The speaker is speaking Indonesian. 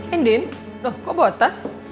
eh din kok bawa tas